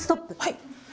はい！